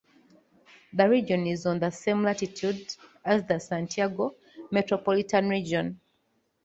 The region is on the same latitude as the Santiago Metropolitan Region.